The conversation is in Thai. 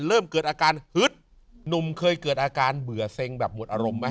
เริ่มเกิดอาการฮึดหนุ่มเคยเกิดอาการเบื่อเซ็งแบบหมดอารมณ์ไหม